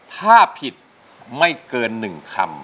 ถ้าผิดไม่เกิน๑คำ